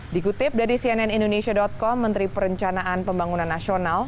dikutip dari cnn indonesia com menteri perencanaan pembangunan nasional